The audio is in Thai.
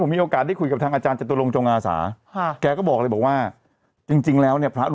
ไม่ใช่นี่ของทีงานเรา